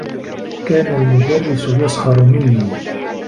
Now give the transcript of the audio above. كان المدرّس يسخر منّي.